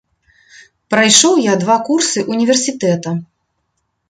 Прайшоў я два курсы універсітэта.